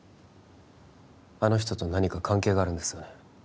あの人と何か関係があるんですよね